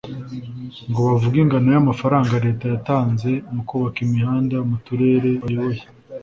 ngo bavuge ingano y’amafaranga Leta yatanze yo kubaka imihanda mu turere bayoboye